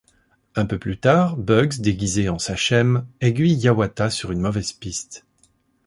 Un peu plus tard, Bugs, déguisé en sachem, aiguille Hiawatha sur une mauvaise piste.